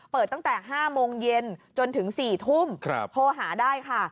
เปิดตั้งแต่๕โมงเย็นจนถึง๔ทุ่มโทรหาได้ค่ะ